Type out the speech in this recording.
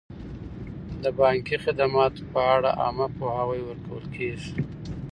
د بانکي خدماتو په اړه عامه پوهاوی ورکول کیږي.